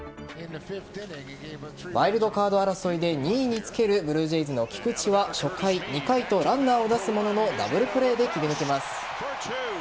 ワイルドカード争いで２位につけるブルージェイズの菊池は初回、２回とランナーを出すもののダブルプレーで切り抜けます。